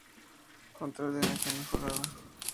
Control de energía mejorada.